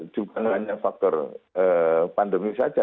bukan hanya faktor pandemi saja